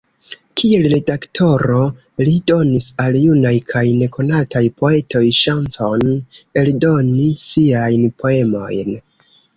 Kiel redaktoro, li donis al junaj kaj nekonataj poetoj ŝancon eldoni siajn poemojn.